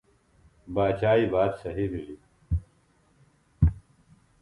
باچائی بات صہیۡ بِھلیۡ